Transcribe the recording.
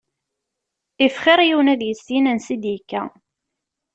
If xir yiwen ad yissin ansi id-yekka.